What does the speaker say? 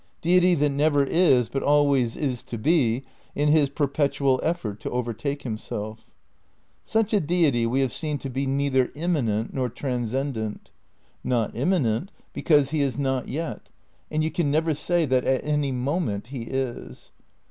Deity that never is but always is to be, in his perpetual effort to overtake himself. Such a Deity we have seen to be neither immanent XI EECONSTRUCTION OF IDEALISM 299 nor transcendent. Not immanent, because he is not yet, and you can never say that at any moment he is.